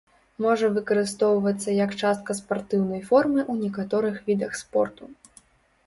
Можа выкарыстоўвацца як частка спартыўнай формы ў некаторых відах спорту.